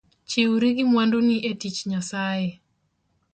Chiwri gi mwanduni e tich Nyasaye